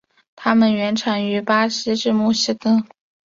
它们原产于巴西至墨西哥。